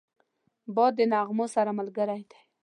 باد د نغمو سره ملګری دی